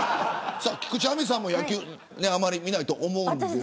菊地亜美さんも野球あまり見ないと思います。